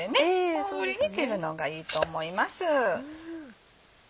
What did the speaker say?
大ぶりに切るのがいいと思います。